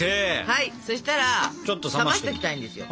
はいそしたら冷ましときたいんですよ。